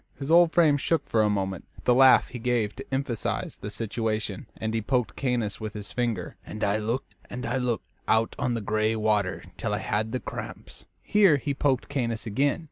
His old frame shook for a moment with the laugh he gave to emphasize the situation, and he poked Caius with his finger. "And I looked and I looked out on the gray water till I had the cramps." Here he poked Caius again.